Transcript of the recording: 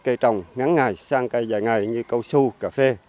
cây trồng ngắn ngày sang cây dài ngày như cao su cà phê